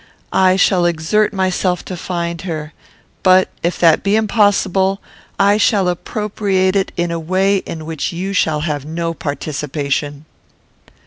I shall exert myself to find her; but, if that be impossible, I shall appropriate it in a way in which you shall have no participation."